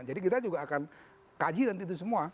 jadi kita juga akan kaji nanti itu semua